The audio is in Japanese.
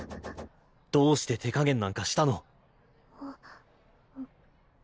どうして手加減なんかしたの？